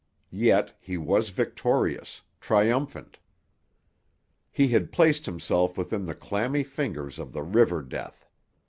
Yet he was victorious, triumphant. He had placed himself within the clammy fingers of the River Death.